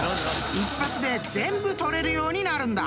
一発で全部取れるようになるんだ］